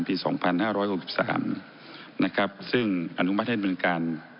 ปีสองพันห้าร้อยหกสิบสามนะครับซึ่งอนุมัติเป็นการ